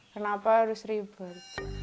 kenapa harus ribet